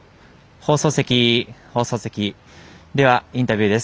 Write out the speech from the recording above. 放送席、インタビューです。